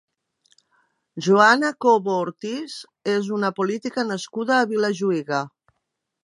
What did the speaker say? Joana Cobo Ortiz és una política nascuda a Vilajuïga.